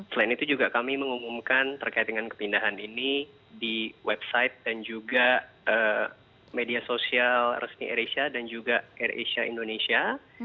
selain itu juga kami mengumumkan terkait dengan kepindahan ini di website dan juga media sosial resmi air asia dan juga air asia indonesia